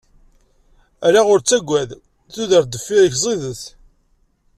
Ala ur ttagad, tudert deffir-k ẓidet.